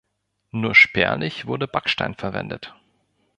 Nur spärlich wurde Backstein verwendet.